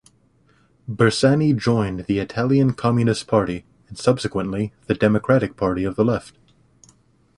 Bersani joined the Italian Communist Party and subsequently the Democratic Party of the Left.